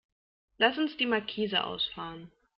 Lass uns die Markise ausfahren.